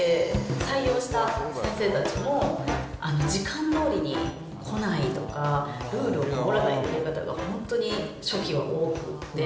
採用した先生たちも、時間どおりに来ないとか、ルールを守らないという方が、本当に初期は多くて。